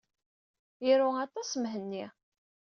Iru aṭas Mhenni.